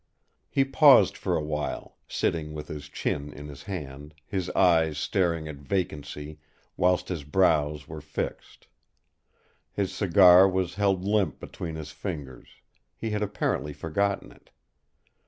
He paused for a while, sitting with his chin in his hand, his eyes staring at vacancy, whilst his brows were fixed. His cigar was held limp between his fingers; he had apparently forgotten it.